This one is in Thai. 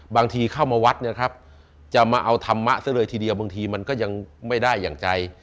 บางทีเข้ามาวัดเนี่ยครับจะมาเอาธรรมะซะเลยทีเดียวบางทีมันก็ยังไม่ได้อย่างใจ